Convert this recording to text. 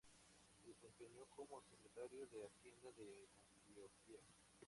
Se desempeñó como secretario de Hacienda de Antioquia.